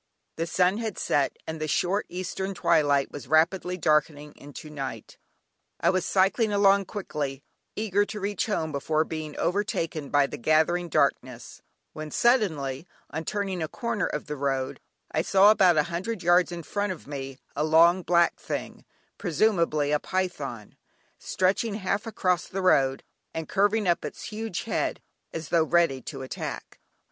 The sun had set, and the short eastern twilight was rapidly darkening into night. I was cycling along quickly, eager to reach home before being overtaken by the gathering darkness, when suddenly, on turning a corner of the road, I saw, about a hundred yards in front of me, a long black thing, presumably a python, stretching half across the road, and curving up its huge head, as though ready to attack.